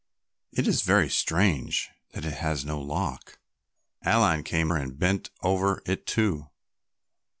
"It is very strange that it has no lock." Aline came and bent over it too.